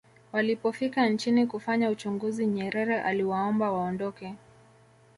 walipofika nchini kufanya uchunguzi nyerere aliwaomba waondoke